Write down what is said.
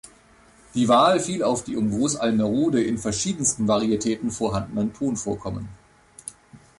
Die Wahl fiel auf die um Großalmerode in verschiedensten Varietäten vorhandenen Tonvorkommen.